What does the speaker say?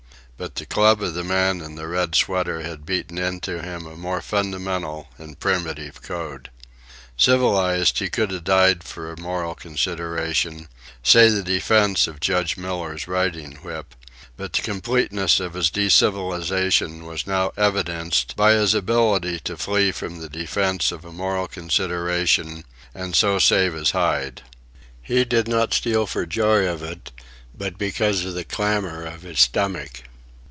But the club of the man in the red sweater had beaten into him a more fundamental and primitive code. Civilized, he could have died for a moral consideration, say the defence of Judge Miller's riding whip; but the completeness of his decivilization was now evidenced by his ability to flee from the defence of a moral consideration and so save his hide. He did not steal for joy of it, but because of the clamor of his stomach.